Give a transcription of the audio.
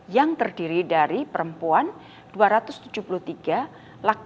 yang terdiri dari perempuan dua ratus tujuh puluh tiga laki laki dua ratus empat puluh dan balita dua puluh lima orang